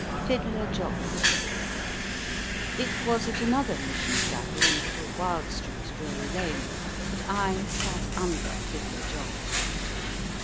"FIDDLER JOSS." It was at another Mission Chapel in Little Wild Street, Drury Lane, that I "sat under" Fiddler Joss.